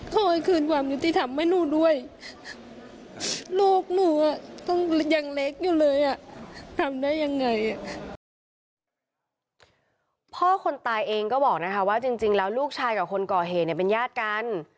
พ่อคนตายเองก็บอกว่าจริงแล้วลูกชายกับคนก่อเฮเป็นญาติกัน